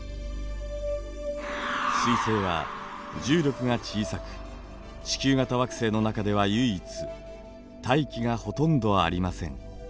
水星は重力が小さく地球型惑星の中では唯一大気がほとんどありません。